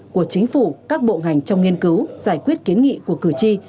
của chính phủ các bộ ngành trong nghiên cứu giải quyết kiến nghị của cử tri